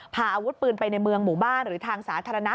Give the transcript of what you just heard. พาอาวุธปืนไปในเมืองหมู่บ้านหรือทางสาธารณะ